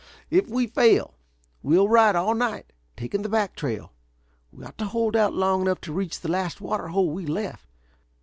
"If we fail, we'll ride all night, taking the back trail. We ought to hold out long enough to reach the last water hole we left.